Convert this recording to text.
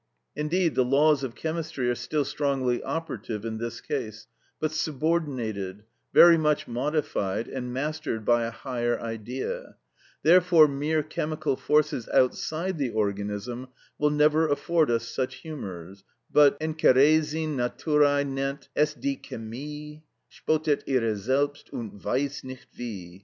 Indeed, the laws of chemistry are still strongly operative in this case, but subordinated, very much modified, and mastered by a higher Idea; therefore mere chemical forces outside the organism will never afford us such humours; but "Encheiresin naturæ nennt es die Chemie, Spottet ihrer selbst und weiss nicht wie."